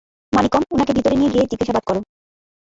মানিকম, উনাকে ভিতরে নিয়ে গিয়ে জিজ্ঞাসাবাদ করো।